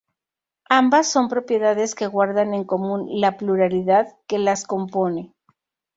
Ambas son propiedades que guardan en común la pluralidad que las compone.